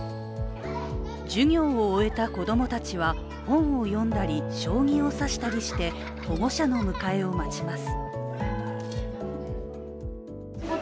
授業を終えた子供たちは、本を読んだり将棋を指したりして保護者の迎えを待ちます。